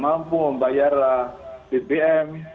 tidak mampu membayar bpm